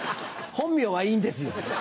本名はいいんですよ。